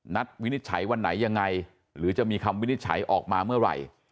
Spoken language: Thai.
วินิจฉัยวันไหนยังไงหรือจะมีคำวินิจฉัยออกมาเมื่อไหร่